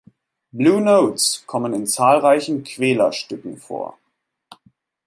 Blue Notes kommen in zahlreichen Kwela-Stücken vor.